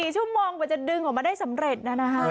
๔ชั่วโมงกว่าจะดึงออกมาได้สำเร็จนะฮะ